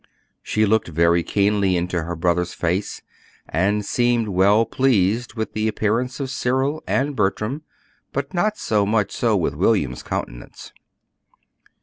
She looked very keenly into her brothers' face, and seemed well pleased with the appearance of Cyril and Bertram, but not so much so with William's countenance.